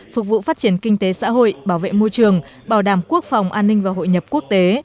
phục vụ phát triển kinh tế xã hội bảo vệ môi trường bảo đảm quốc phòng an ninh và hội nhập quốc tế